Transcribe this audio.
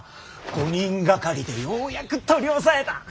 ５人掛かりでようやく取り押さえた。